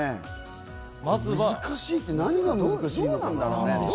難しいって何が難しいのかな？